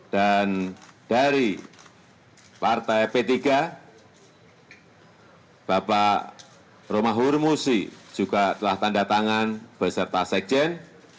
dan dari partai pt p tiga bapak romah hurmusi ooka telah tanda tangan beserta sekjen